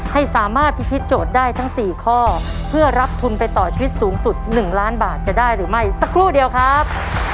ให้สามารถพิธีโจทย์ได้ทั้ง๔ข้อเพื่อรับทุนไปต่อชีวิตสูงสุด๑ล้านบาทจะได้หรือไม่สักครู่เดียวครับ